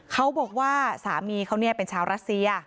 เขาบอกว่าสามีเขาเป็นชาวรัสเซีย